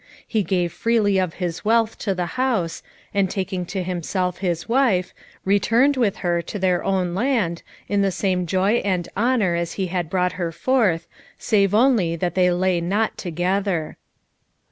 He gave freely of his wealth to the house, and taking to himself his wife, returned with her to their own land, in the same joy and honour as he had brought her forth, save only that they lay not together.